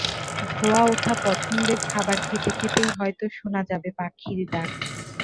ধোঁয়া ওঠা পছন্দের খাবার খেতে খেতেই হয়তো শোনা যাবে পাখির ডাক।